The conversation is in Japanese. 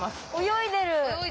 泳いでる。